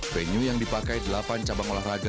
venue yang dipakai delapan cabang olahraga